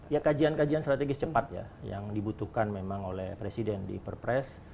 ya kajian kajian strategis cepat ya yang dibutuhkan memang oleh presiden di perpres